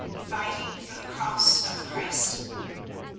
"Fighting for the Cross of Christ?"